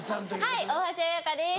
はい大橋彩香です。